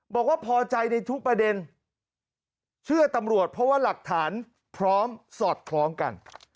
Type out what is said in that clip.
บอกว่าพอใจในทุกประเด็นเชื่อตำรวจเพราะว่าหลักฐานพร้อมสอดคล้องกัน